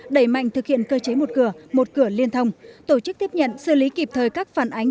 đẩy mạnh thực hiện cơ chế một cửa một cửa liên thông tổ chức tiếp nhận xử lý kịp thời các phản ánh